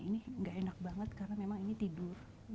ini nggak enak banget karena memang ini tidur